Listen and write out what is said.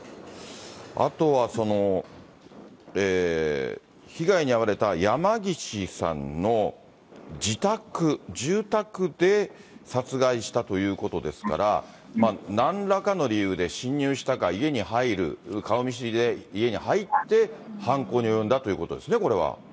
あとは、被害に遭われたやまぎしさんの自宅、住宅で殺害したということですから、なんらかの理由で侵入したか家に入る、顔見知りで家に入って、犯行に及んだということですね、これは。